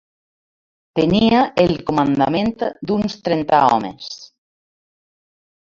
Tenia el comandament d'uns trenta homes